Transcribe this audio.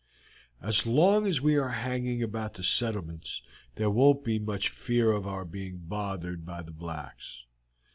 "As long as we are hanging about the settlements there won't be much fear of our being bothered by the blacks.